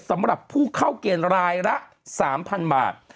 สำหรับผู้เข้าเกณฑ์รายละ๓๐๐๐บาท